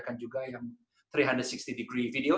kita juga mengerjakan tiga ratus enam puluh degree video